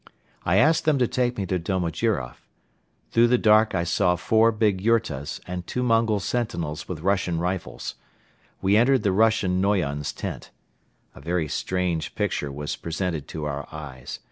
I asked them to take me to Domojiroff. Through the dark I saw four big yurtas and two Mongol sentinels with Russian rifles. We entered the Russian "Noyon's" tent. A very strange picture was presented to our eyes.